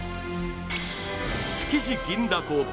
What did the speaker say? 築地銀だこＶＳ